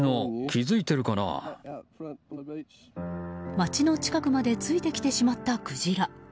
街の近くまでついてきてしまったクジラ。